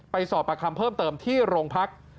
สอบประคำเพิ่มเติมที่โรงพัก